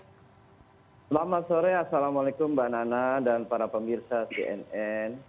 selamat sore assalamualaikum mbak nana dan para pemirsa cnn